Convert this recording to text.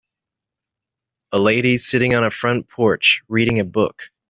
A lady sitting on a front porch reading a book.